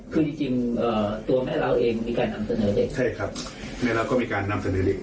คือจริงตัวแม่เราเองมีการนำเสนอเล็ก